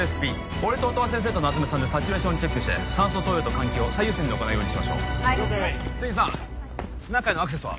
俺と音羽先生と夏梅さんでサチュレーションチェックして酸素投与と換気を最優先で行うようにしましょう千住さん中へのアクセスは？